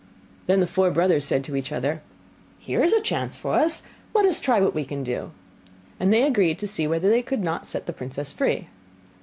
Then the four brothers said to each other, 'Here is a chance for us; let us try what we can do.' And they agreed to see whether they could not set the princess free.